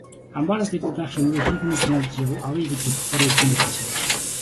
Амбаараас дээрдээд байх юмгүй, хэн хүний санаанд авъя гэж бодогдохооргүй тийм л байшин байлаа.